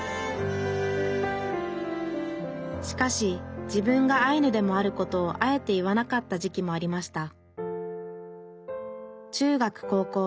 しかし自分がアイヌでもあることをあえて言わなかった時期もありました。